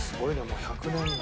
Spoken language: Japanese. もう１００年。